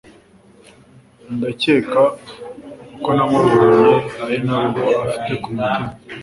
ndakeka uko namubonye arinabwo afite kumutima